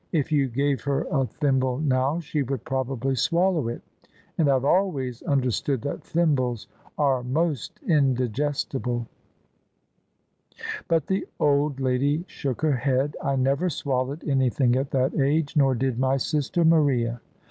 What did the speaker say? " If you gave her a thim ble now she would probably swallow it: and I have always understood that thimbles are most indigestible." THE SUBJECTION But the old lady shook her head. " I never swallowed anything at that age: nor did my sister Maria."